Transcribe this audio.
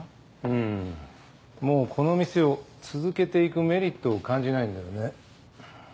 うんもうこの店を続けていくメリットを感じないんだよね。